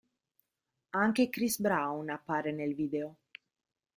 Anche Chris Brown appare nel video.